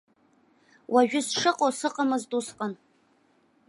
Уажәы сшыҟоу сыҟамызт усҟан.